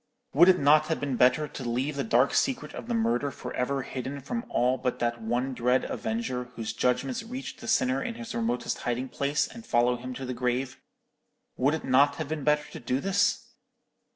Would it not have been better to leave the dark secret of the murder for ever hidden from all but that one dread Avenger whose judgments reach the sinner in his remotest hiding place, and follow him to the grave? Would it not have been better to do this?